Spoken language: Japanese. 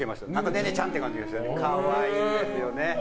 ネネちゃんって感じで可愛いんですよね。